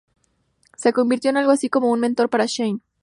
Se convirtió en algo así como un mentor para Shane.